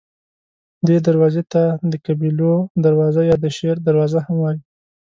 دې دروازې ته د قبیلو دروازه یا د شیر دروازه هم وایي.